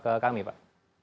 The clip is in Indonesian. ya benar pak